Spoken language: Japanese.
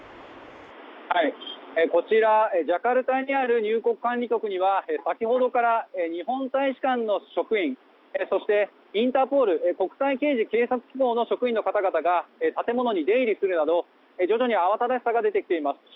こちらジャカルタにある入国管理局には先ほどから日本大使館の職員そしてインターポール国際刑事警察機構の職員の方が建物に出入りするなど徐々に慌ただしさが出てきています。